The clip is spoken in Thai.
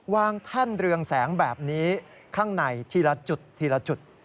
แท่นเรืองแสงแบบนี้ข้างในทีละจุดทีละจุด